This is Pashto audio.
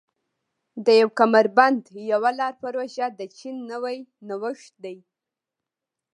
د یو کمربند یوه لار پروژه د چین نوی نوښت دی.